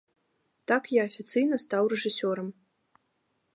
Так я афіцыйна стаў рэжысёрам.